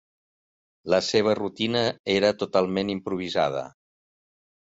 La seva rutina era totalment improvisada.